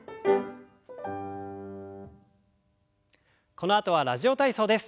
このあとは「ラジオ体操」です。